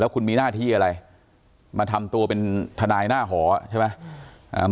คุณมีหน้าที่อะไรมาทำตัวเป็นทนายหน้าหอใช่ไหม